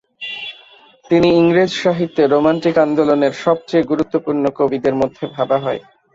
তিনি ইংরেজ সাহিত্যে রোমান্টিক আন্দোলনের সবচেয়ে গুরুত্বপূর্ণ কবিদের মধ্যে ভাবা হয়।